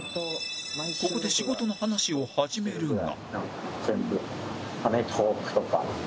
ここで仕事の話を始めるが